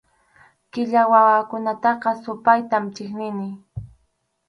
Qilla wawakunataqa supaytam chiqnini.